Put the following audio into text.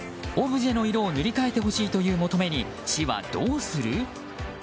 オブジェの色を塗り替えてほしいという訴えに市はどうする？